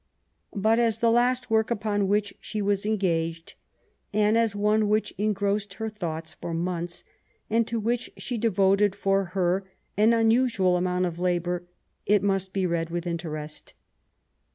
But, as the last work upon which she was engaged, and as one which engrossed her thoughts for months, and to which she devoted, for her, an un usual amount of labour, it must be read with interest.